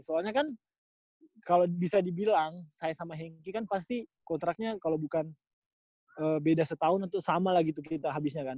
soalnya kan kalo bisa dibilang saya sama henky kan pasti kontraknya kalo bukan beda setahun itu sama lagi tuh kita habisnya kan